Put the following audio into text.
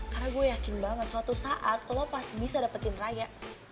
karena gue yakin banget suatu saat lo pasti bisa dapetin raya